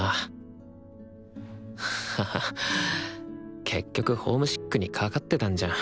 ハハ結局ホームシックにかかってたんじゃん